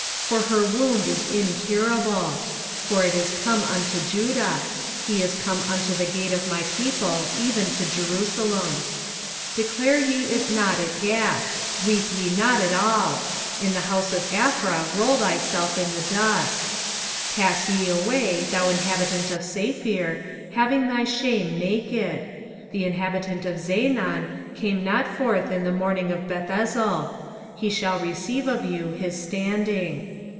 1:9 For her wound is incurable; for it is come unto Judah; he is come unto the gate of my people, even to Jerusalem. 1:10 Declare ye it not at Gath, weep ye not at all: in the house of Aphrah roll thyself in the dust. 1:11 Pass ye away, thou inhabitant of Saphir, having thy shame naked: the inhabitant of Zaanan came not forth in the mourning of Bethezel; he shall receive of you his standing.